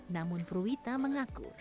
namun purwita mengaku